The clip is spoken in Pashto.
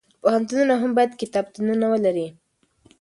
پوهنتونونه هم باید کتابتونونه ولري.